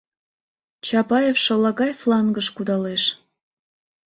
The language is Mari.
Чапаев шолагай флангыш кудалеш...